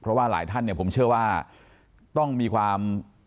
เพราะว่าหลายท่านเนี่ยผมเชื่อว่าต้องมีความ